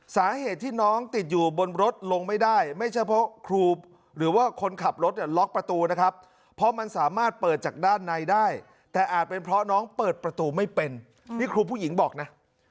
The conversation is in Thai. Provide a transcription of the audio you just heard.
สาเหตุที่น้องติดอยู่บนรถลงไม่ได้ไม่ใช่เพราะครูหรือว่าคนขับรถเนี่ยล็อกประตูนะครับเพราะมันสามารถเปิดจากด้านในได้แต่อาจเป็นเพราะน้องเปิดประตูไม่เป็นนี่ครูผู้หญิงบอกนะ